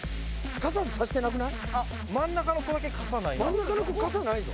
真ん中の子傘ないぞ。